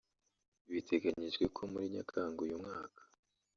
Biteganyijwe ko muri Nyakanga uyu mwaka